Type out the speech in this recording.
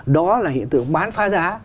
đó là hiện tượng bán phá giá